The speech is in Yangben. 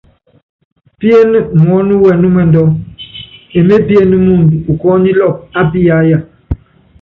Piéné muɔ́nɔ́wɛnúmɛndú, emépíéne muundɔ ukɔɔ́nílɔpɔ ápiyáya.